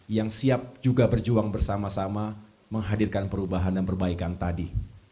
yang siap juga berjuang bersama sama menghadirkan perubahan dan perbaikan tadi